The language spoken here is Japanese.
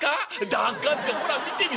「『だっか』ってほら見てみろ。